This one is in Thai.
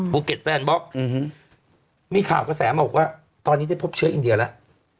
ภูเก็ตแซ่นบล็อกมีข่าวก็แสมออกว่าตอนนี้ได้พบเชื้ออินเดียแล้ว